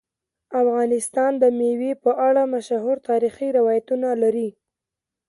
افغانستان د مېوې په اړه مشهور تاریخی روایتونه لري.